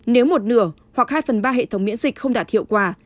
nếu một nửa hoặc hai phần ba hệ thống miễn dịch không đạt hiệu quả